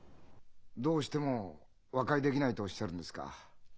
どうしても和解できないとおっしゃるんですか？